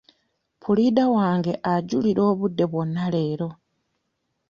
Puliida wange ajjulira obudde bwonna leero.